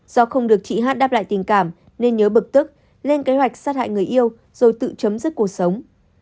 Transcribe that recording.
do không được chị hát đáp lại tình cảm nên nhớ bực tức lên kế hoạch sát hại người yêu rồi tự chấm dứt cuộc sống